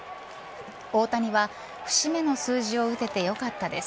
大谷は節目の数字を打てて良かったです